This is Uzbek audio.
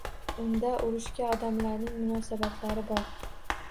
Unda urushga odamlarning munosabatlari bor.